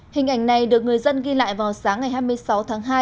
hình ảnh này được người dân ghi lại vào sáng ngày hai mươi sáu tháng hai